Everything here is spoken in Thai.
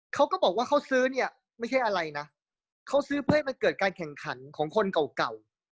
เขาก็บอกว่าเขาซื้อเนี่ยไม่ใช่อะไรนะเขาซื้อเพื่อให้มันเกิดการแข่งขันของคนเก่า